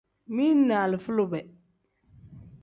Mili ni alifa lube.